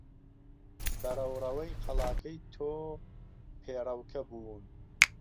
بە ڕەوڕەوەی قەڵاکەی تۆ پێڕەوکە بوون.